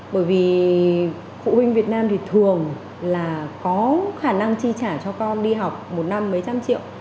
bởi vì phụ huynh việt nam thì thường là có khả năng chi trả cho con đi học một năm mấy trăm triệu